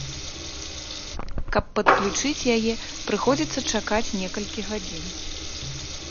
Каб падключыць яе, прыходзіцца чакаць некалькі гадзін.